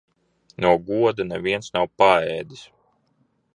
No goda neviens nav paēdis.